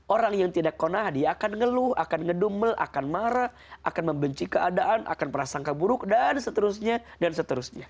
orang yang tidak ⁇ naa dia akan ngeluh akan ngedumel akan marah akan membenci keadaan akan prasangka buruk dan seterusnya dan seterusnya